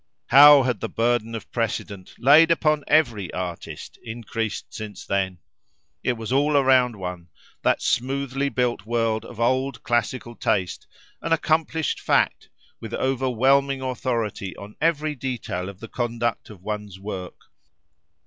How had the burden of precedent, laid upon every artist, increased since then! It was all around one:—that smoothly built world of old classical taste, an accomplished fact, with overwhelming authority on every detail of the conduct of one's work.